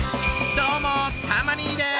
どうもたま兄です。